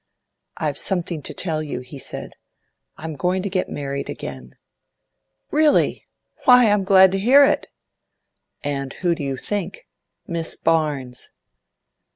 'I've something to tell you,' he said. 'I'm going to get married again.' 'Really? Why, I'm glad to hear it!' 'And who do you think? Miss Barnes.